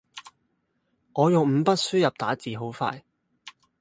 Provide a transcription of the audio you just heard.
我用五筆輸入打字好快